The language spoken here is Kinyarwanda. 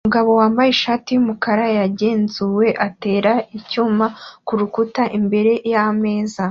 Umugabo wambaye ishati yumukara yagenzuwe atera icyuma kurukuta imbere yameza